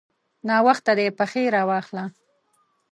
ناوخته دی؛ پښې راواخله.